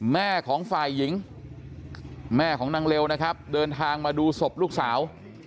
แม่ของฝ่ายหญิงแม่ของนางเลวนะครับเดินทางมาดูศพลูกสาว